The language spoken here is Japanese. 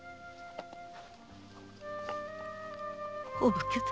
お武家様。